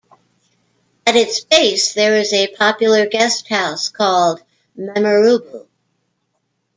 At its base there is a popular guest house called Memurubu.